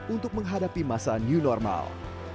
untuk menghadapi masa new normal